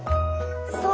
そう。